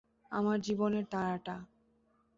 আমার জীবনের তারাটা!